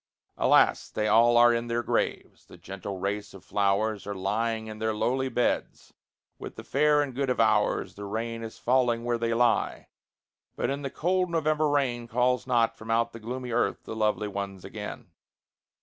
Alas! they all are in their graves; the gentle race of flowers Are lying in their lowly beds, with the fair and good of ours. The rain is falling where they lie, but the cold November rain Calls not from out the gloomy earth the lovely ones again.